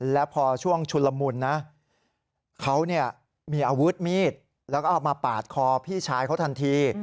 แล้วพอช่วงชุนละมุนนะเขามีอาวุธมีดแล้วก็เอามาปาดคอพี่ชายเขาทันที